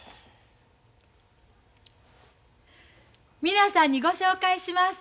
皆さんにご紹介します。